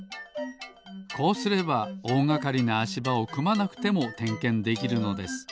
こうすればおおがかりなあしばをくまなくてもてんけんできるのです。